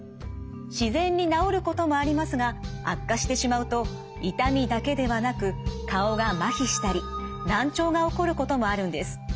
自然に治ることもありますが悪化してしまうと痛みだけではなく顔がまひしたり難聴が起こることもあるんです。